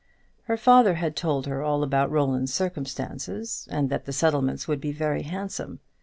Her father had told her all about Roland's circumstances, and that the settlements would be very handsome.